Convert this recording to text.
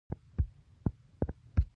د انګورو د پاڼو دلمه څنګه جوړیږي؟